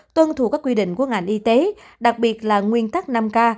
tuân thủ các quy định của ngành y tế đặc biệt là nguyên tắc năm k